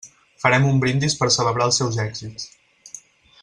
Farem un brindis per celebrar els seus èxits.